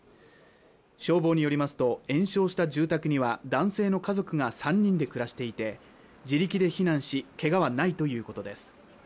消防によりますと延焼した住宅には男性の家族が３人で暮らしていて自力で避難し、けがはないということです